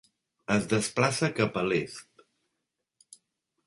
Es desplaça cap a l'est.